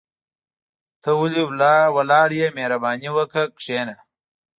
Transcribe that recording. ته ولي ولاړ يى مهرباني وکاه کشينه